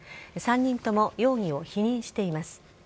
３人とも容疑を否認しています。